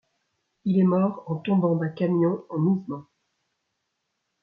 Il est mort en tombant d'un camion en mouvement.